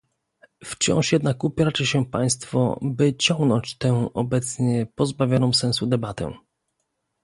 Wciąż jednak upieracie się Państwo, by ciągnąć tę obecnie pozbawioną sensu debatę